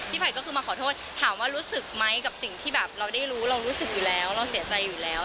ไผ่ก็คือมาขอโทษถามว่ารู้สึกไหมกับสิ่งที่แบบเราได้รู้เรารู้สึกอยู่แล้วเราเสียใจอยู่แล้ว